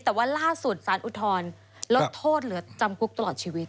แต่ว่าล่าสุดสารอุทธรณ์ลดโทษเหลือจำคุกตลอดชีวิต